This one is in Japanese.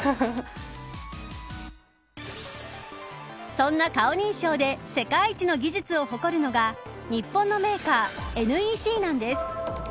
そんな顔認証で世界一の技術を誇るのが日本のメーカーＮＥＣなんです。